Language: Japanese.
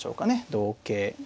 同桂。